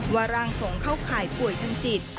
ร่างทรงเข้าข่ายป่วยทางจิต